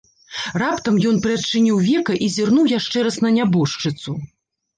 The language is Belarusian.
Раптам ён прыадчыніў века і зірнуў яшчэ раз на нябожчыцу.